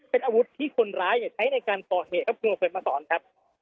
เป็นอาวุธที่คนร้ายใช้ในการก่อเหตุครับคุณเคยมาสอนครับ